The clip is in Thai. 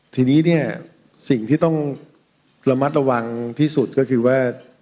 ทีนี้เนี่ยสิ่งที่ต้องระมัดระวังที่สุดก็คือว่า